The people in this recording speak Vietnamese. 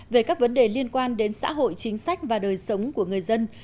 về các vấn đề liên quan đến xã hội chính sách và đời sống của người dân